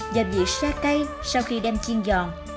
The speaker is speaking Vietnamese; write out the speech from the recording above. và vị sa cây sau khi đem chiên giòn